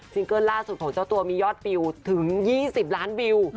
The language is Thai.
เกิ้ลล่าสุดของเจ้าตัวมียอดวิวถึง๒๐ล้านวิว